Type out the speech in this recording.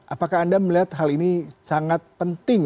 apakah anda melihat hal ini sangat penting